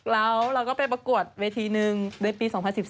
แล้วเราก็ไปประกวดเวทีหนึ่งในปี๒๐๑๔